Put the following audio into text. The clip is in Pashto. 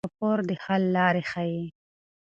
راپور د حل لارې ښيي.